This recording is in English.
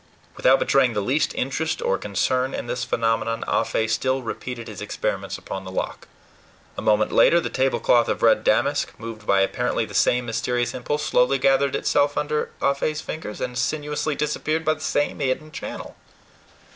Without betraying the least interest or concern in this phenomenon, Ah Fe still repeated his experiments upon the lock. A moment later the tablecloth of red damask, moved by apparently the same mysterious impulse, slowly gathered itself under Ah Fe's fingers, and sinuously disappeared by the same hidden channel.